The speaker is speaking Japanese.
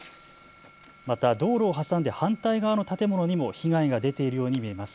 また道路を挟んで反対側の建物にも被害が出ているように見えます。